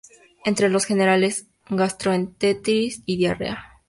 Entre los generales gastroenteritis y diarrea.